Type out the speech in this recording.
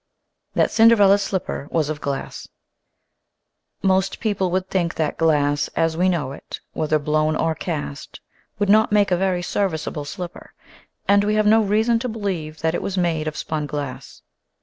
THAT CINDERELLA'S SLIPPER WAS OF GLASS OST people would think that glass as we know it, whether blown or cast, would not make a very serviceable slipper, and we have no reason to believe that it was made of spun glass.